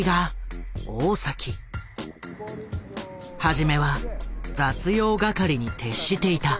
初めは雑用係に徹していた。